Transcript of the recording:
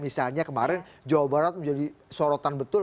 misalnya kemarin jawa barat menjadi sorotan betul